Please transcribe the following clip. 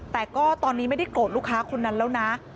แต่ก็ตอนนี้ไม่ได้โกรธลูกค้าคนนั้นแล้วนะ